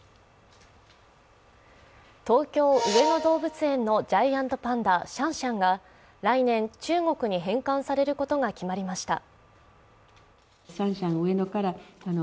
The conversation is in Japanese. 東京・上野動物園のジャイアントパンダ、シャンシャンが来年、中国に返還されることが決まりました。